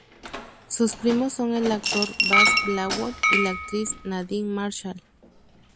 Sus primos son el actor Vas Blackwood y la actriz Nadine Marshall.